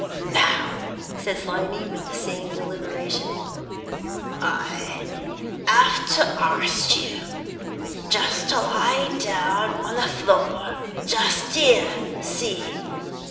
"Now," said Slimy, with the same deliberation, "I have to arst you just to lay down on the floor, just 'ere, see.